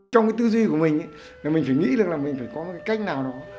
trong cái tư duy của mình mình phải nghĩ được là mình phải có cái cách nào đó